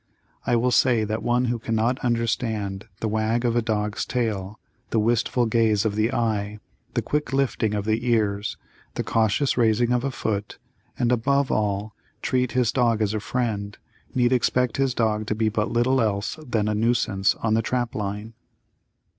I will say that one who cannot understand the wag of a dog's tail, the wistful gaze of the eye, the quick lifting of the ears, the cautious raising of a foot, and above all, treat his dog as a friend, need expect his dog to be but little else than a nuisance on the trap line.